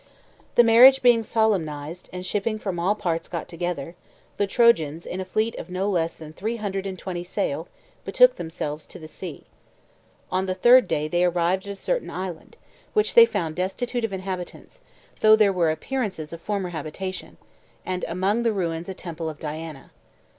The marriage being solemnized, and shipping from all parts got together, the Trojans, in a fleet of no less than three hundred and twenty sail, betook themselves to the sea. On the third day they arrived at a certain island, which they found destitute of inhabitants, though there were appearances of former habitation, and among the ruins a temple of Diana.